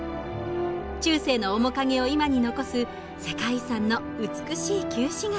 中世の面影を今に残す世界遺産の美しい旧市街。